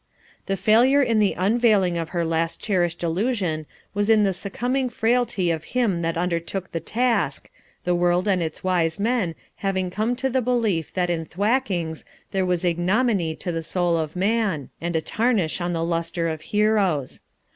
The failure in the unveiling of her last cherished Illusion was in the succumbing frailty of him that undertook the task, the world and its wise men having come to the belief that in thwackings there was ignominy to the soul of man, and a tarnish on the lustre of heroes.